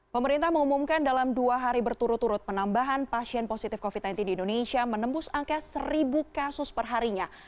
pemerintah mengumumkan dalam dua hari berturut turut penambahan pasien positif covid sembilan belas di indonesia menembus angka seribu kasus perharinya